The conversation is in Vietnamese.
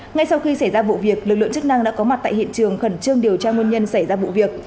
ngay sau khi xảy ra vụ việc lực lượng chức năng đã có mặt tại hiện trường khẩn trương điều tra nguyên nhân xảy ra vụ việc